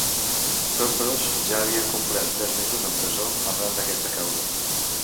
Tots dos ja havien complert tres mesos en presó arran d’aquesta causa.